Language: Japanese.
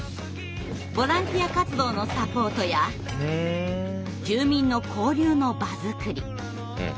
ボランティア活動のサポートや住民の交流の場作り